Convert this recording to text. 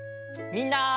みんな！